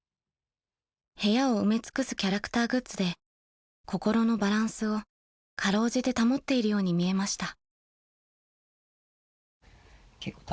［部屋を埋め尽くすキャラクターグッズで心のバランスを辛うじて保っているように見えました］